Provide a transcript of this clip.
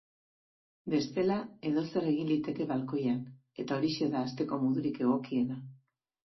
Bestela, edozer egin liteke balkoian, eta horixe da hasteko modurik egokiena.